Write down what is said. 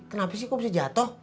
kenapa sih kok bisa jatuh